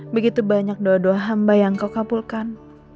begitu banyak doa doa hamba yang kau kapulkan